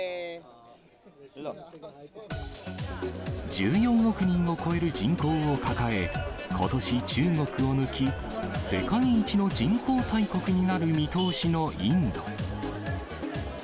１４億人を超える人口を抱え、ことし、中国を抜き、世界一の人口大国になる見通しのインド。